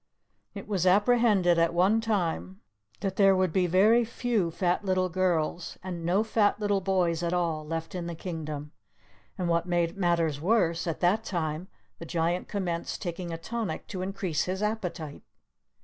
It was apprehended at one time that there would be very few fat little girls, and no fat little boys at all, left in the kingdom. And what made matters worse, at that time the Giant commenced taking a tonic to increase his appetite.